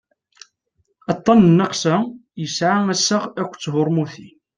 aṭṭan n nnaqsa migraine yesɛa assaɣ akked thurmunin hormones